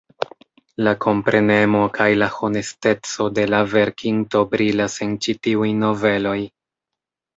La komprenemo kaj la honesteco de la verkinto brilas en ĉi tiuj noveloj.